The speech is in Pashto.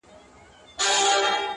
سپوږمۍ ته گوره زه پر بام ولاړه يمه؛